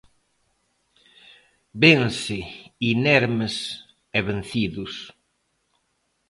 Vense inermes e vencidos.